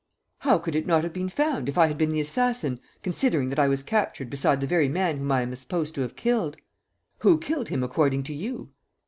"How could it not have been found, if I had been the assassin, considering that I was captured beside the very man whom I am supposed to have killed?" "Who killed him, according to you?"